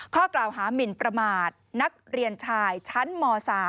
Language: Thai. ข้อกล่าวหามินประมาทนักเรียนชายชั้นม๓